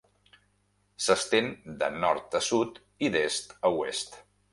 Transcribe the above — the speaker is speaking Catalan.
S'estén de nord a sud i d'est a oest.